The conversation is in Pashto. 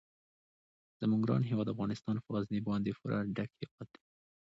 زموږ ګران هیواد افغانستان په غزني باندې پوره ډک هیواد دی.